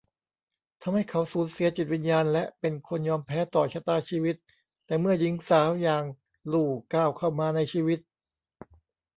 ทำให้เขาสูญเสียจิตวิญญาณและเป็นคนยอมแพ้ต่อชะตาชีวิต แต่เมื่อหญิงสาวอย่าง ลู ก้าวเข้ามาในชีวิต